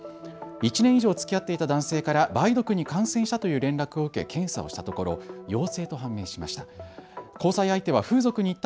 １年以上つきあっていた男性から梅毒に感染したという連絡を受け検査をしたところ、陽性と判明しました。